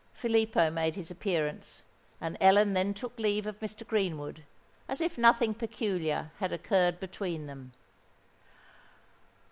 Filippo made his appearance; and Ellen then took leave of Mr. Greenwood, as if nothing peculiar had occurred between them.